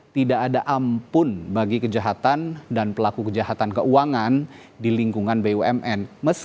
tidak ada ampun bagi kejahatan dan pelaku kejahatan keuangan di lingkungan bumn